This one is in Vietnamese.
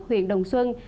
huyền đồng xuân